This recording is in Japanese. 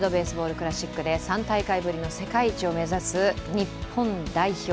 クラシックで３大会ぶりの世界一を目指す日本代表。